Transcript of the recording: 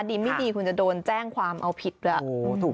ดีไม่ดีคุณจะโดนแจ้งความเอาผิดด้วย